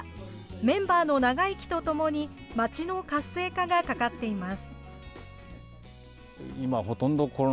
メンバーの長生きとともに街の活性化がかかっています。